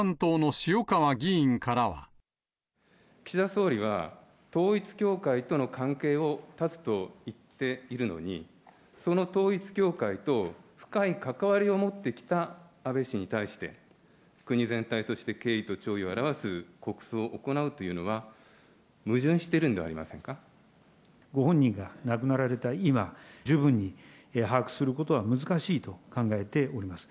岸田総理は、統一教会との関係を断つと言っているのに、その統一教会と、深い関わりを持ってきた安倍氏に対して、国全体として敬意と弔意を表す国葬を行うというのは、矛盾していご本人が亡くなられた今、十分に把握することは難しいと考えております。